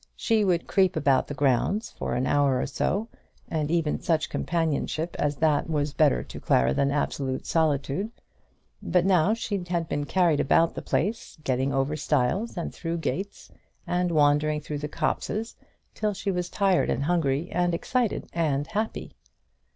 She would creep about the grounds for an hour or so, and even such companionship as that was better to Clara than absolute solitude; but now she had been carried about the place, getting over stiles and through gates, and wandering through the copses, till she was tired and hungry, and excited and happy.